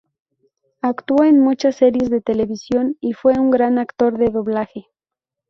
Actuó en muchas series de televisión y fue un gran actor de doblaje.